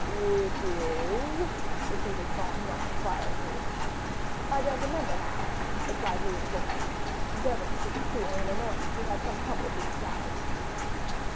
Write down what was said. "It is " repeated Saint Aignan, inquiringly. "I don't remember now," replied Louis XIV., endeavoring to conceal an annoyance he had some trouble to disguise.